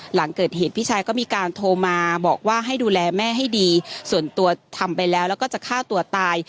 หลังเกิดเหตุพี่ชายก็มีการโทรมาบอกว่าให้ดูแลแม่ให้ดีส่วนตัวทำไปแล้วแล้วก็จะฆ่าตัวตาย